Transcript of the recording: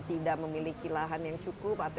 tidak memiliki lahan yang cukup